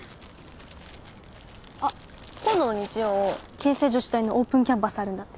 あっ今度の日曜啓成女子大のオープンキャンパスあるんだって。